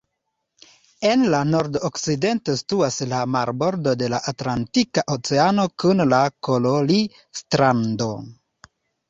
En la Nord-Okcidento situas la marbordo de la Atlantika oceano kun la Kololi-strando.